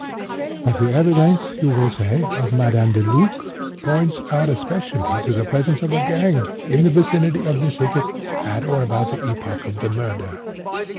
"But the evidence, you will say, of Madame Deluc (!) points especially to the presence of a gang, in the vicinity of the thicket, at or about the epoch of the murder.